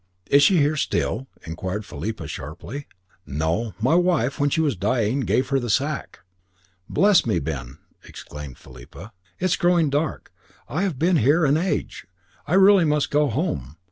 "Is she here still?" inquired Philippa sharply. "No; my wife, when she was dying, gave her the sack." "Bless me, Ben!" exclaimed Philippa. "It is growing dark. I have been here an age. I really must go home.